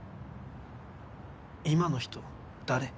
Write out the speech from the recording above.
今の人誰？